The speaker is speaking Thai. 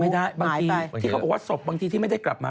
บางทีที่เขาบอกว่าศพบางทีที่ไม่ได้กลับมา